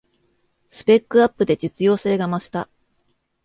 スペックアップで実用性が増した